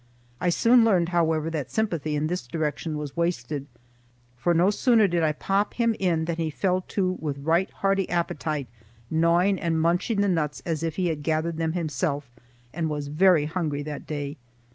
I soon learned, however, that sympathy in this direction was wasted, for no sooner did I pop him in than he fell to with right hearty appetite, gnawing and munching the nuts as if he had gathered them himself and was very hungry that day.